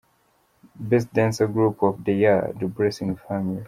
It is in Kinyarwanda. Best Dance group of the year: The Blessing Family.